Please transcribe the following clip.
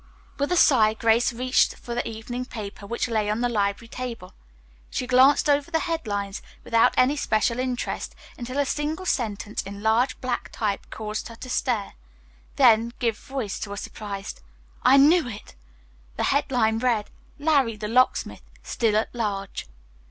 With a sigh Grace reached for the evening paper which lay on the library table. She glanced over the headlines without any special interest until a single sentence in large black type caused her to stare, then give voice to a surprised, "I knew it!" The headline read, "Larry, the Locksmith, Still at Large."